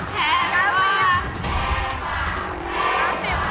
แพงกว่า